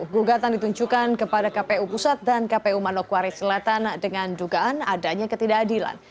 gugatan ditunjukkan kepada kpu pusat dan kpu manokwari selatan dengan dugaan adanya ketidakadilan